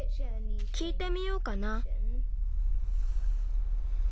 きいてみようかな。